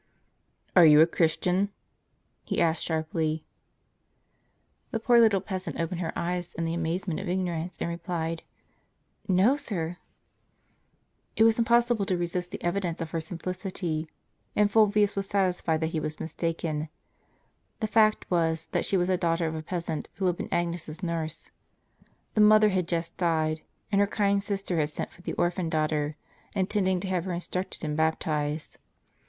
''Are you a Christian? " he asked her sharply. The poor little peasant opened her eyes in the amazement of ignorance, and replied: "No, sir." It was impossible to resist the evidence of her simplicity ; and Fulvius was satisfied that he was mistaken. The fact was, that she was the daughter of a peasant who had been Agnes' s nurse. The mother had just died, and her kind sister had sent for the orphan daughter, intending to have her instructed and bap tized.